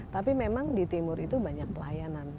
tapi memang di timur itu banyak pelayanan